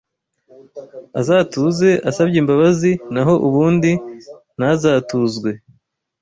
azatuze asabye imbabazi naho ubundi ntazatuzwe